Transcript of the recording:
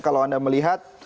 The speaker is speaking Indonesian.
kalau anda melihat